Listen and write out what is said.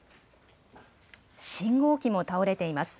信号機も倒れています。